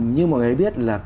như mọi người biết là